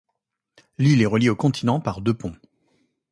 L'île est reliée au continent par deux ponts.